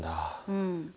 うん。